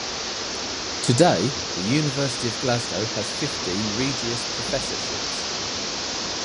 Today, the University of Glasgow has fifteen Regius Professorships.